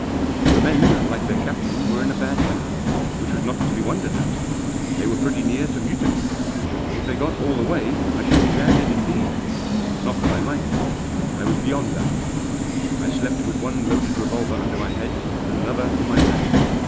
The men, like their captain, were in a bad temper. Which was not to be wondered at. They were pretty near to mutiny. If they got all the way I should be landed indeed. Not that I minded. I was beyond that I slept with one loaded revolver under my head, and another in my hand.